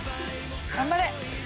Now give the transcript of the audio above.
頑張れ。